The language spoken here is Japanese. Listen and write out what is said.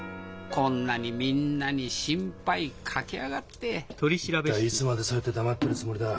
こんなにみんなに心配かけやがって一体いつまでそうやって黙ってるつもりだ？